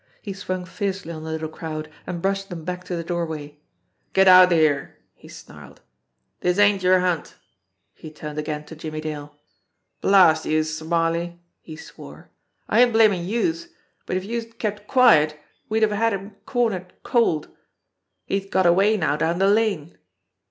He swung fiercely on the little crowd and brushed them back to the doorway. "Get outer here!" he snarled. "Dis ain't yer hunt!" He turned again to Jimmie Dale. "Blast youse, Smarly!" he swore. "I ain't blamin' youse, but if youse'd THE HOUSE WITH THE BROKEN STAIRS 101 kept quiet we'd have had him cornered cold. He's got away now down the lane."